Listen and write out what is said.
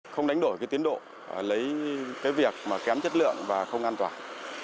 không đánh đổi tiến độ lấy việc kém chất lượng và không an toàn